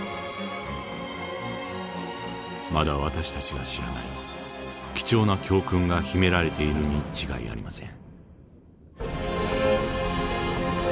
まだ私たちが知らない貴重な教訓が秘められているに違いありません。